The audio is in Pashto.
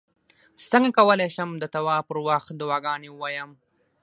څنګه کولی شم د طواف پر وخت دعاګانې ووایم